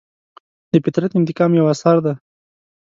د فطرت انتقام یو اثر دی.